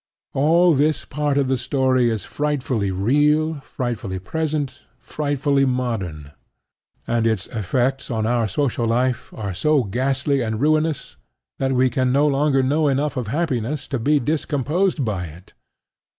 All this part of the story is frightfully real, frightfully present, frightfully modern; and its effects on our social life are so ghastly and ruinous that we no longer know enough of happiness to be discomposed by it.